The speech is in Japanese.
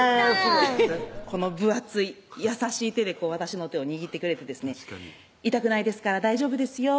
この分厚い優しい手で私の手を握ってくれてですね「痛くないですから大丈夫ですよ」